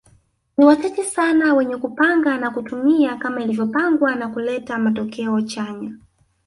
Ni wachache sana wenye kupanga na kutumia kama ilivyopangwa na kuleta matokeo chanya